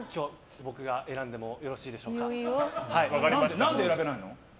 何で選べないの？